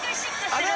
あれ？